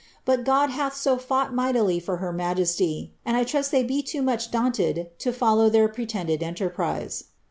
But God hath also fought mightily for her majesty, and I trust they be too much daunted to fol low their pretended enterprise."